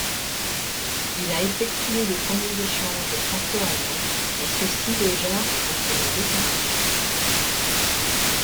Il a effectué les premiers échanges franco-allemand, et ceci déjà entre les deux conflits.